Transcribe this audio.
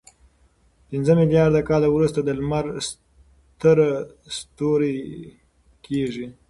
پنځه میلیارد کاله وروسته لمر ستر سره ستوری کېږي.